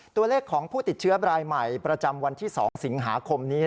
ตัวเลขของผู้ติดเชื้อรายใหม่ประจำวันที่๒สิงหาคมนี้